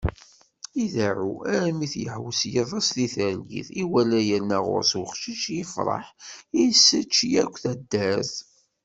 Ideεεu, armi t-yeḥwes yiḍes di targit iwala yerna γur-s uqcic, yefreḥ, isečč yakk taddart.